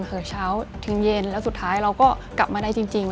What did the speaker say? เช้าถึงเย็นแล้วสุดท้ายเราก็กลับมาได้จริง